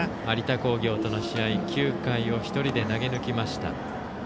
有田工業との試合９回を１人で投げ抜きました。